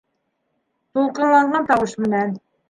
Тулҡынланған тауыш менән: